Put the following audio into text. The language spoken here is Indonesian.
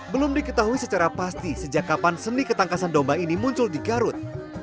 belum diketahui secara pasti sejak kapan seni ketangkasan domba ini muncul di garut